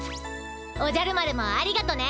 おじゃる丸もありがとね。